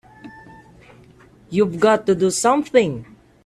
We've got to do something!